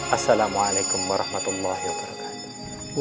assalamualaikum warahmatullahi wabarakatuh